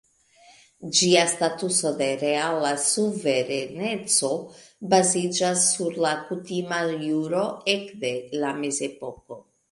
Ĝia statuso de reala suvereneco baziĝas sur la kutima juro ekde la Mezepoko.